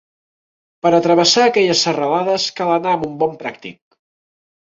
Per a travessar aquelles serralades cal anar amb un bon pràctic.